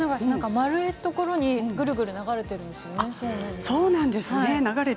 丸いところにぐるぐる流れているんです。